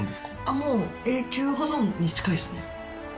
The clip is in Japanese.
もう永久保存に近いですね。